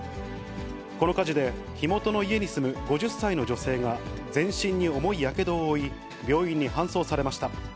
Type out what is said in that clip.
この火事で、火元の家に住む５０歳の女性が全身に重いやけどを負い、病院に搬送されました。